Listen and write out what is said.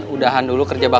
kalian udahan dulu kerjaan